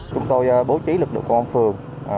chúng tôi bố trí lực lượng công an phường